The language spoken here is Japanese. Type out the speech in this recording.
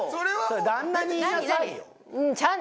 旦那に言いなさいよ。